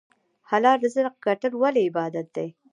حلال رزق ګټل ولې عبادت دی؟